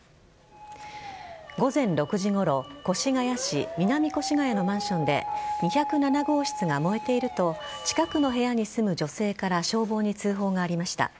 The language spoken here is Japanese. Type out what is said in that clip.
午前６時ごろ越谷市南越谷のマンションで２０７号室が燃えていると近くの部屋に住む女性から消防に通報がありました。